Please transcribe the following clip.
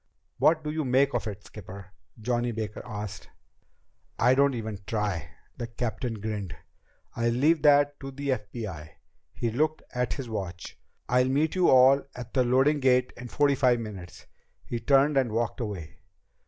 "What do you make of it, skipper?" Johnny Baker asked. "I don't even try." The captain grinned. "I'll leave that to the FBI." He looked at his watch. "I'll meet you all at the loading gate in forty five minutes." He turned and walked away.